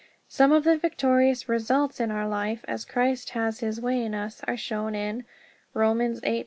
Some of the victorious results in our life, as Christ has His way in us, are shown in: Romans 8:32, 27.